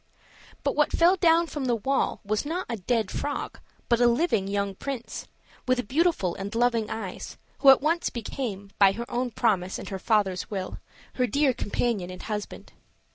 But what fell down from the wall was not a dead frog, but a living young prince, with beautiful and loving eyes, who at once became, by her own promise and her father's will, her dear companion and husband.